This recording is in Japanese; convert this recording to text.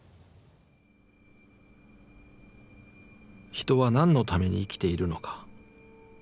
人は何のために生きているのか？